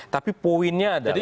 tapi poinnya adalah